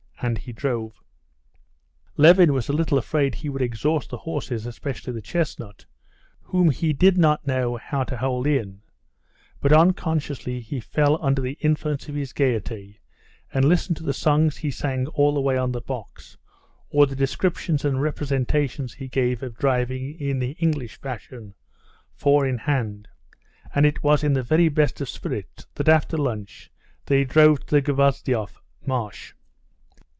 And he drove. Levin was a little afraid he would exhaust the horses, especially the chestnut, whom he did not know how to hold in; but unconsciously he fell under the influence of his gaiety and listened to the songs he sang all the way on the box, or the descriptions and representations he gave of driving in the English fashion, four in hand; and it was in the very best of spirits that after lunch they drove to the Gvozdyov marsh.